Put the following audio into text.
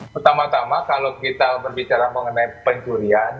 pertama tama kalau kita berbicara mengenai pencurian